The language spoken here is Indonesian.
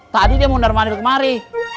tadi dia mundar mandir kemari